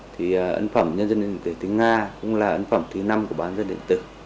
thì ấn phẩm nhân dân nền kế tiếng nga cũng là ấn phẩm thứ năm của bán dân điện tử